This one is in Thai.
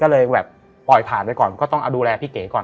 ก็เลยแบบปล่อยผ่านไปก่อนก็ต้องเอาดูแลพี่เก๋ก่อน